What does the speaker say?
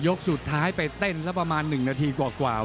สุดท้ายไปเต้นสักประมาณ๑นาทีกว่า